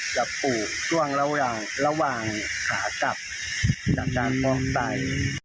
จะปลูกช่วงระหว่างขากลับดับด้านฟอกใต้